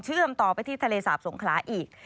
เชื่อมต่อไปที่ทะเลสาบสงขลาอีก